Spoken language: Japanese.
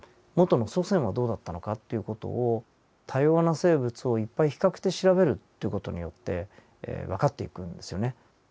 元の祖先はどうだったのかという事を多様な生物をいっぱい比較して調べるという事によってわかっていくんですよね。